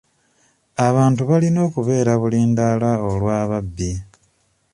Abantu balina okubeera bulindaala olw'ababbi.